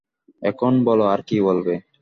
এখন বল আর কি বলবে?